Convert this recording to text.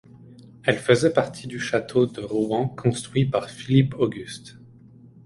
Elle faisait partie du château de Rouen construit par Philippe Auguste.